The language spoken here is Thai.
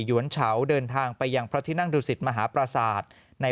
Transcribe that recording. หยวนเฉาเดินทางไปอย่างพระทินั่งดุศิษย์มหาประศาสตร์ใน